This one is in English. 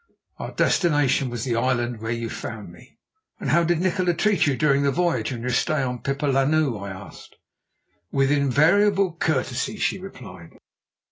Our destination was the island where you found me." "And how did Nikola treat you during the voyage and your stay on Pipa Lannu?" I asked. "With invariable courtesy," she replied.